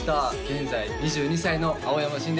現在２２歳の青山新です